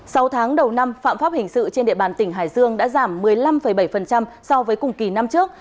sau tháng đầu năm phạm pháp hình sự trên địa bàn tỉnh hải dương đã giảm một mươi năm bảy so với cùng kỳ năm trước